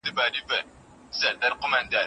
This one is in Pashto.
په هر انساني کار کي اعتدال د هوښیارۍ نښه ده.